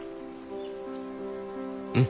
うん。